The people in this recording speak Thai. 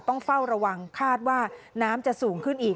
ต้องเฝ้าระวังคาดว่าน้ำจะสูงขึ้นอีก